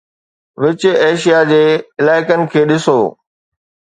وچ Asia جي علائقن کي ڏسو